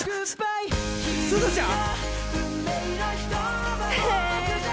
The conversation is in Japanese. すずちゃん！